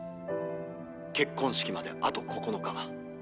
結婚式まであと９日。